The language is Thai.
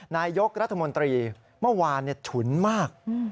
นายกรัฐมนตรีเมื่อวานฉุนมาก